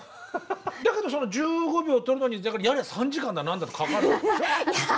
だけどその１５秒撮るのにやれ３時間だ何だってかかるわけでしょ？